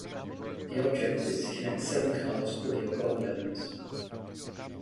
The objective is to connect seven cards with your goal element.